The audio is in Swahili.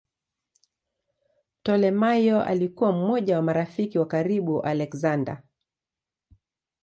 Ptolemaio alikuwa mmoja wa marafiki wa karibu wa Aleksander.